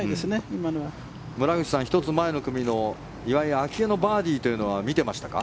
今の１つ前の組の岩井明愛のバーディーというのは見てましたか。